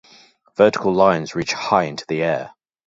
Vertical lines reach high into the air.